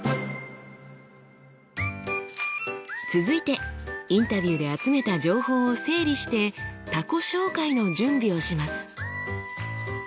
続いてインタビューで集めた情報を整理して他己紹介の準備をします。